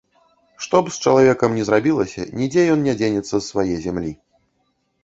Што б з чалавекам ні зрабілася, нідзе ён не дзенецца з свае зямлі.